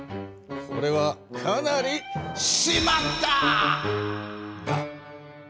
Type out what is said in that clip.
これはかなり「しまった！」だ。